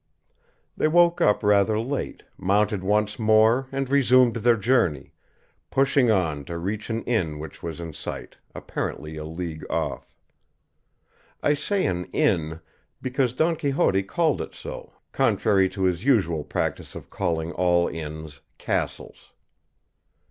They woke up rather late, mounted once more and resumed their journey, pushing on to reach an inn which was in sight, apparently a league off. I say an inn, because Don Quixote called it so, contrary to his usual practice of calling all inns castles.